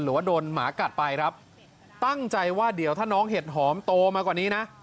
หรือว่าโดนหมากัดไปครับตั้งใจว่าเดี๋ยวถ้าน้องเห็ดหอมโตมากว่านี้นะ